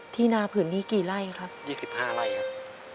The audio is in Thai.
ที่นาผืนนี้กี่ไร่ครับยี่สิบห้าไร่ครับ